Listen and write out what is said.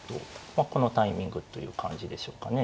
まあこのタイミングという感じでしょうかね。